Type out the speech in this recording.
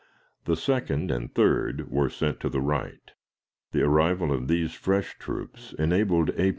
The second and third were sent to the right. The arrival of these fresh troops enabled A.